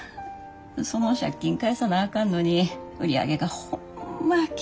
その借金返さなあかんのに売り上げがホンマ厳しい状態でな。